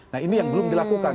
nah ini yang belum dilakukan